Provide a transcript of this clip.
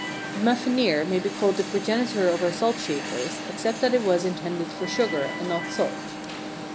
The Muffineer may be called the progenitor of our salt shakers, except that it was intended for sugar and not salt.